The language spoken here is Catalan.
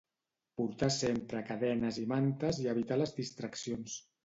Portar sempre cadenes i mantes i evitar les distraccions.